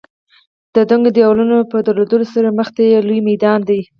د دنګو دېوالونو په درلودلو سره مخې ته یې لوی میدان دی.